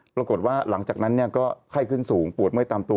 ปรากฏว่าหลังจากนั้นก็ไข้ขึ้นสูงปวดเมื่อยตามตัว